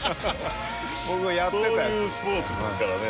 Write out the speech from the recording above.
そういうスポーツですからね。